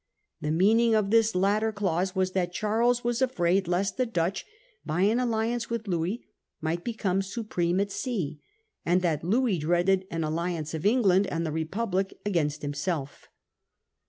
The meaning of this latter clause was that Charles was afraitv lest the Dutch, by an alliance with Louis, might become supreme at sea; and that Louis dreaded an alliance of England and the Republic against himself.